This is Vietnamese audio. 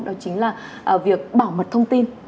đó chính là việc bảo mật thông tin